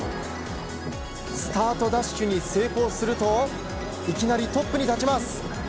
スタートダッシュに成功するといきなりトップに立ちます。